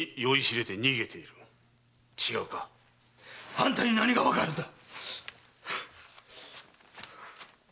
あんたに何がわかるんだ！